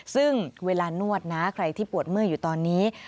ซึ่งเวลานวดนะใครที่ปวดเมื่อยอยู่ตอนนี้